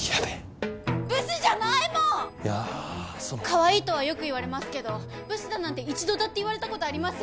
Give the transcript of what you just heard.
カワイイとはよく言われますけどブスだなんて一度だって言われたことありません！